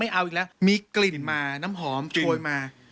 เอาอีกแล้วมีกลิ่นมาน้ำหอมโชยมา